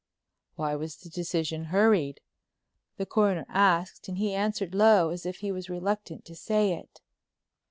"Why was the decision hurried?" the Coroner asked and he answered low, as if he was reluctant to say it.